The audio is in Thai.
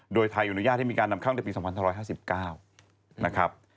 โดยไทยอนุญาตให้มีขั้นมาจากปี๒๕๕๙นะครับ